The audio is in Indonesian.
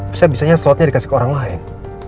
bisa bisanya slotnya dikasih ke orang lain